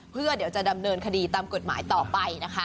เพื่อเดี๋ยวจะดำเนินคดีตามกฎหมายต่อไปนะคะ